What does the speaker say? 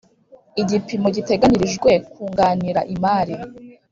Igipimo giteganyirijwe kunganira imari